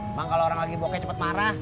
emang kalau orang lagi bokek cepet marah